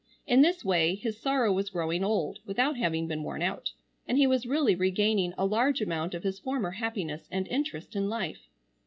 In this way his sorrow was growing old without having been worn out, and he was really regaining a large amount of his former happiness and interest in life.